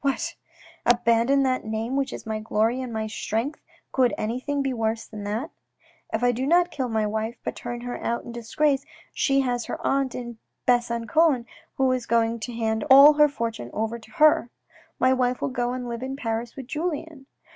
What ! abandon that name which is my glory and my strength. Could anything be worse than that? " If I do not kill my wife but turn her out in disgrace, she has her aunt in Besangon who is going to hand all her fortune over to her. My wife will go and live in Paris with Julien.